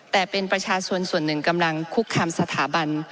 แต่เป็นประชาชนส่วนหนึ่งกำลังคุกคามสถาบัน